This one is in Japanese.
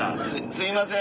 すいません。